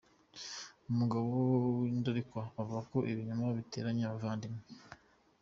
Umugabo w’indarikwa uvuga ibinyoma n’uteranya abavandimwe .